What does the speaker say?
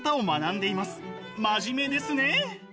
真面目ですね！